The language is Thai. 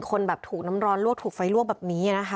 คนถูกน้ำร้อนลวกถูกไฟลวกแบบนี้